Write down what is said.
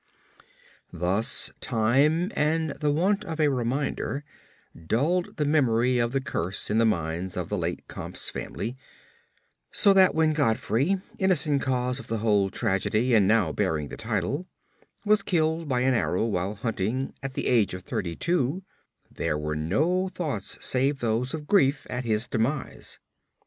Thus time and the want of a reminder dulled the memory of the curse in the minds of the late Comte's family, so that when Godfrey, innocent cause of the whole tragedy and now bearing the title, was killed by an arrow whilst hunting, at the age of thirty two, there were no thoughts save those of grief at his demise.